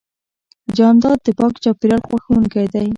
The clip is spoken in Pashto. جانداد د پاک چاپېریال خوښوونکی دی.